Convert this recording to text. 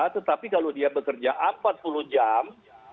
tetapi kalau dia bekerja empat puluh jam